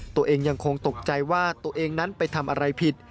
ตัวเองยังคงตกใจว่าตัวเองนั้นไปทำอะไรผิด